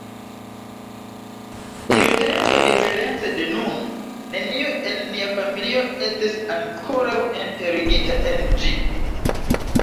Tiutempe diference de nun, neniu el nia familio estis ankoraŭ enterigita en ĝi.